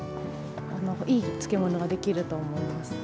いい漬物ができると思います。